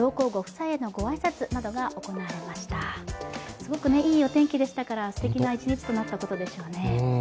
すごくいいお天気でしたからすてきな一日となったことでしょうね。